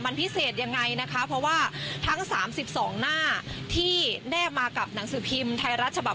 มันพิเศษยังไงนะคะเพราะว่าทั้งสามสิบสองหน้าที่แนบมากับหนังสือพิมพ์ไทยรัฐฉบับ